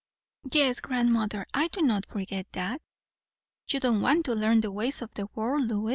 "Yes, grandmother. I do not forget that." "You don't want to learn the ways of the world, Lois?"